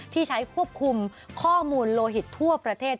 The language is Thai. ที่ใช้ควบคุมข้อมูลโลหิตทั่วประเทศ